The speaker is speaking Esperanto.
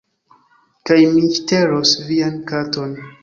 Kaj mi ŝtelos vian katon